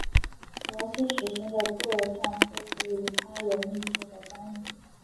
姚兴实行的各项措施与他有密切的关系。